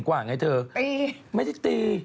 ไปตีเม็ดิตี